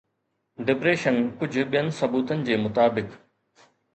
depression ڪجهه ٻين ثبوتن جي مطابق